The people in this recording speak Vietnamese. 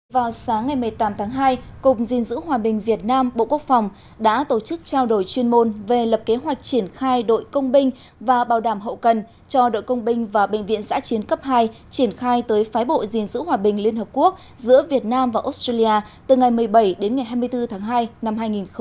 vào sáng ngày một mươi tám tháng hai cục gìn giữ hòa bình việt nam bộ quốc phòng đã tổ chức trao đổi chuyên môn về lập kế hoạch triển khai đội công binh và bảo đảm hậu cần cho đội công binh và bệnh viện giã chiến cấp hai triển khai tới phái bộ gìn giữ hòa bình liên hợp quốc giữa việt nam và australia từ ngày một mươi bảy đến ngày hai mươi bốn tháng hai năm hai nghìn hai mươi